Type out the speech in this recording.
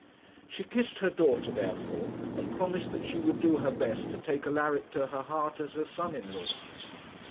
She kissed her daughter, therefore, and promised that she would do her best to take Alaric to her heart as her son in law.